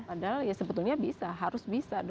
padahal ya sebetulnya bisa